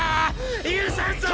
許さんぞ！！